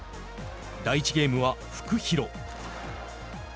第１ゲームは、フクヒロ。